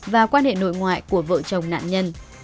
và quan hệ nội ngoại của vợ chồng nạn nhân